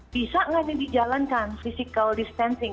bisa nggak dijalankan physical distancing